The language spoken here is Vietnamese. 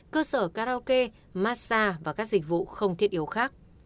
cơ sở karaoke massage và các dịch vụ không thiết yếu khác